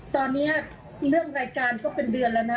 ตอนนี้เรื่องรายการก็เป็นเดือนแล้วนะ